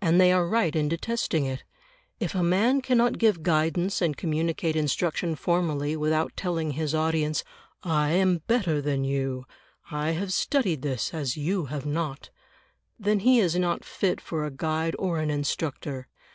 And they are right in detesting it; if a man cannot give guidance and communicate instruction formally without telling his audience "I am better than you; I have studied this as you have not," then he is not fit for a guide or an instructor.